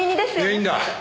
いいんだ。